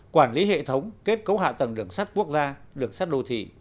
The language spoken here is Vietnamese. quản lý hệ thống kết cấu hạ tầng đường sắt quốc gia đường sắt đô thị